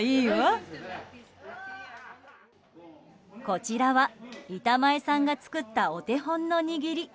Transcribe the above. こちらは板前さんが作ったお手本の握り。